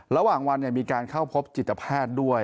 ระหว่างวันมีการเข้าพบจิตแพทย์ด้วย